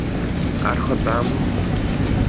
Άρχοντα μου;